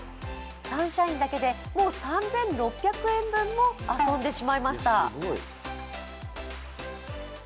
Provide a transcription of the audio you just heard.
サンシャインだけでもう３６００円分も遊んでしまいました。